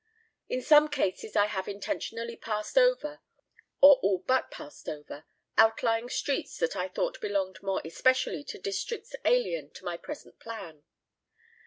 In some cases I have intentionally passed over, or all but passed over, outlying streets that I thought belonged more especially to districts alien to my present plan.